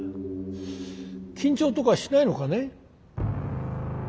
緊張とかしないのかね？